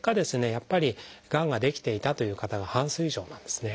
やっぱりがんが出来ていたという方が半数以上なんですね。